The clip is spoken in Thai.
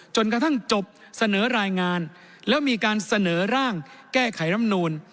จนกระทั่งจบเสนอรายงานแล้วมีการเสนอร่างแก้ไขรำนูล